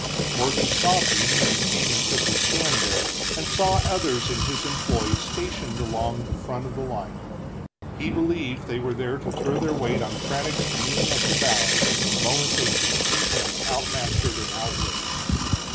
Morgan saw Peden when he came and took his stand there, and saw others in his employ stationed along the front of the line. He believed they were there to throw their weight on Craddock's beam of the balance the moment they should see him outmastered and outweighed.